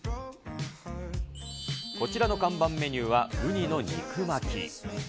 こちらの看板メニューは、ウニの肉巻き。